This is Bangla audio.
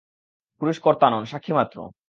পুরুষ কর্তা নন, সাক্ষী-মাত্র।